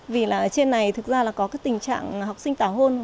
vì là trên này thực ra là có cái tình trạng học sinh tảo hôn